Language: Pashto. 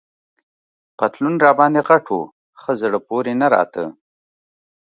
پتلون راباندي غټ وو، ښه زړه پورې نه راته.